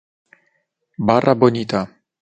Barra Bonita